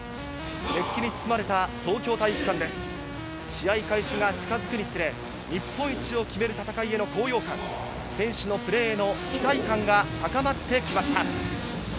試合開始が近づくにつれ、日本一を決める戦いへの高揚感、選手のプレーへの期待感が高まってきました。